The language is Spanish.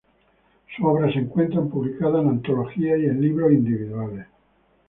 Sus obras se encuentran publicadas en antologías y en libros individuales.